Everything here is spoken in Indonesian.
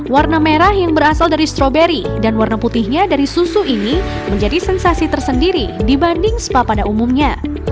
warna merah yang berasal dari stroberi dan warna putihnya dari susu ini menjadi sensasi tersendiri dibanding spa pada umumnya